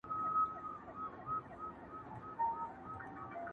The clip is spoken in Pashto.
له اسمان مي ګيله ده٫